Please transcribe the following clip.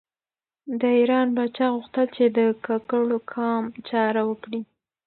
د ایران پاچا غوښتل چې د کاکړو قام چاره وکړي.